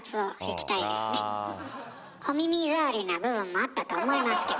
お耳障りな部分もあったと思いますけど。